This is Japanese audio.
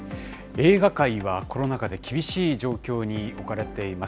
映画界はコロナ禍で厳しい状況に置かれています。